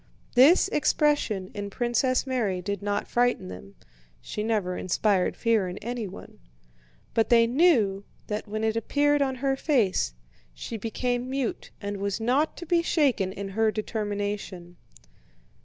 This expression in Princess Mary did not frighten them (she never inspired fear in anyone), but they knew that when it appeared on her face, she became mute and was not to be shaken in her determination.